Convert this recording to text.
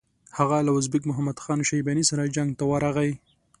هغه له ازبک محمد خان شیباني سره جنګ ته ورغی.